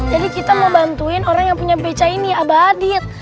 jadi kita mau bantuin orang yang punya beca ini abadit